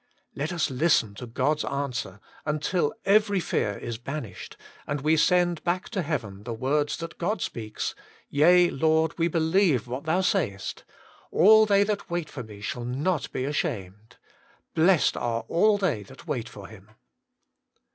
Let us listen to God's answer, until every fear is banished, and we send hack to heaven the words God speaks, Yea, Lord, we believe what Thou sayest :* All they that wait for Me shall not be ashamed.* * Blessed are all they that wait for Him.'